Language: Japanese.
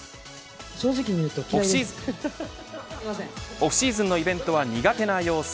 オフシーズンのイベントは苦手な様子。